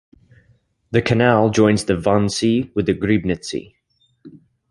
The canal joins the Wannsee with the Griebnitzsee.